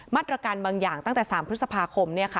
มาตรการบางอย่างตั้งแต่๓พฤษภาคม